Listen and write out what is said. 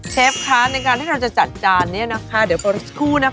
เชฟค่ะในการที่จะจัดจานเนี่ยนะคะเดี๋ยวพอคุ้นะคะ